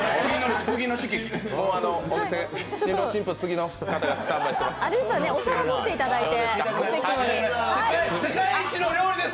次の方がスタンバイしてます。